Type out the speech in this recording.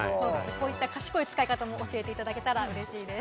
こういった賢い使い方も教えていただけたら嬉しいです。